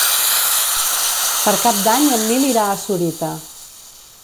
Per Cap d'Any en Nil irà a Sorita.